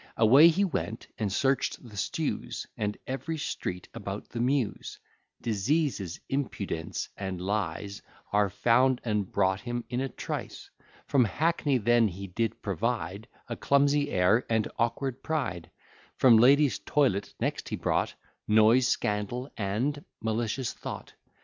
Away he went, and search'd the stews, And every street about the Mews; Diseases, impudence, and lies, Are found and brought him in a trice. From Hackney then he did provide, A clumsy air and awkward pride; From lady's toilet next he brought Noise, scandal, and malicious thought.